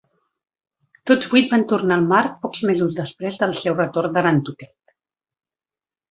Tots vuit van tornar al mar pocs mesos després del seu retorn de Nantucket.